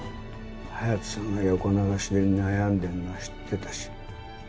勇仁さんが横流しで悩んでるのは知ってたし。